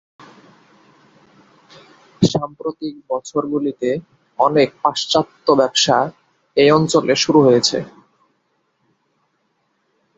সাম্প্রতিক বছরগুলিতে, অনেক পাশ্চাত্য ব্যবসা এই অঞ্চলে শুরু হয়েছে।